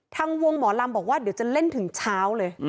ทางวงหมอลำบอกว่าเดี๋ยวจะเล่นถึงเช้าเลย